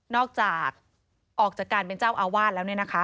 ออกจากออกจากการเป็นเจ้าอาวาสแล้วเนี่ยนะคะ